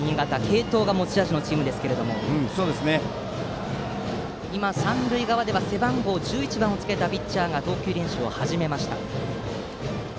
継投が持ち味のチームですが今、三塁側では背番号１１番をつけたピッチャーが投球練習を始めました。